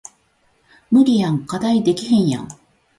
無理やん課題できへんやん